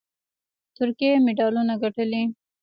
ترکیې مډالونه ګټلي